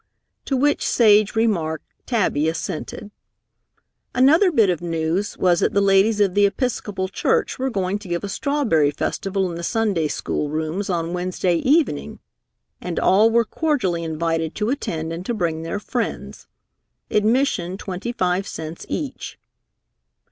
To which sage remark Tabby assented. Another bit of news was that the ladies of the Episcopal Church were going to give a strawberry festival in the Sunday School rooms on Wednesday evening, and all were cordially invited to attend and to bring their friends. Admission, twenty five cents each.